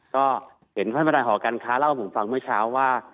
ก็เห็นพันธุ์บันไดหอการค้าเล่าให้ผมฟังเมื่อเช้าว่า